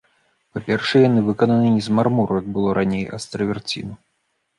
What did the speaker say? Па-першае, яны выкананы не з мармуру, як было раней, а з траверціну.